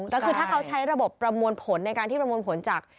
แต่คือถ้าเขาใช้ระบบประมวลผลในการที่ประมวลผลจาก